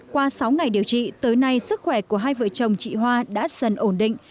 qua sáu ngày điều trị tới nay sức khỏe của hai vợ chồng chị hoa đã dần ổn định